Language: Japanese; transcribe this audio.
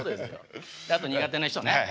あと苦手な人ね。